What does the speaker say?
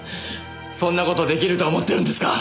そんな事出来ると思ってるんですか！